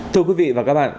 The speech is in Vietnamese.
thưa quý vị và các bạn